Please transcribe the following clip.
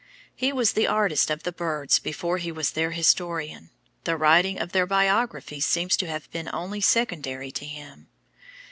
He was the artist of the birds before he was their historian; the writing of their biographies seems to have been only secondary with him.